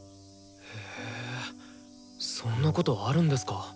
へえそんなことあるんですか。